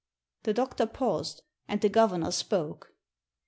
The doctor paused, and the governor spoke.